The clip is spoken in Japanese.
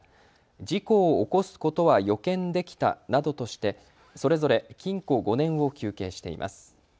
事故を起こすことは予見できたなどとして、それぞれ禁錮５年を求刑しています。